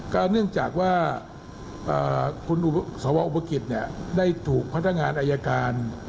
เนื่องจากว่าคุณสวอุปกิจได้ถูกพนักงานอายการ